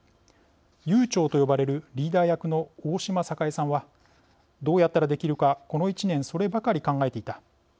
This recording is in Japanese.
謡長と呼ばれるリーダー役の大嶋栄さんは「どうやったらできるかこの１年、そればかり考えていた。